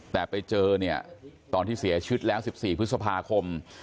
แต่ไปเจอเนี่ยตอนที่เสียชีวิตแล้ว๑๔พฤษภาคม